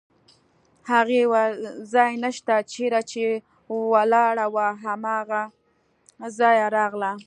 هغې وویل: ځای نشته، چېرې چې ولاړه وه له هماغه ځایه راغله.